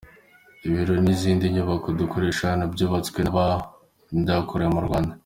Ibiro n’izindi nyubako dukoresha hano byubatswe n’ibyakorewe mu Rwanda”.